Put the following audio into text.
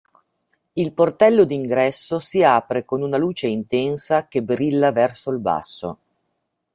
Il portello d'ingresso si apre con una luce intensa che brilla verso il basso.